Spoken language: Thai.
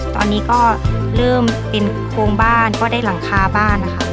ตอนนี้ก็เริ่มเป็นโครงบ้านก็ได้หลังคาบ้านนะคะ